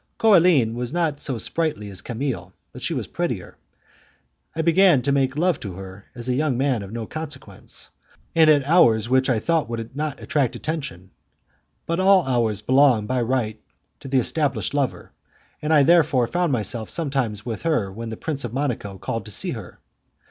Coraline was not so sprightly as Camille, but she was prettier. I began to make love to her as a young man of no consequence, and at hours which I thought would not attract attention: but all hours belong by right to the established lover, and I therefore found myself sometimes with her when the Prince of Monaco called to see her.